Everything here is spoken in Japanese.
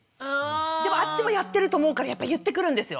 でもあっちもやってると思うからやっぱ言ってくるんですよ！